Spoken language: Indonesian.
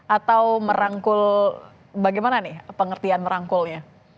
atau merangkul bagaimana nih pengertian merangkulnya